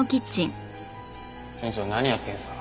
店長何やってるんですか？